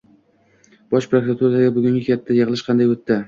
Bosh prokuraturadagi bugungi katta yig‘ilish qanday o‘tdi?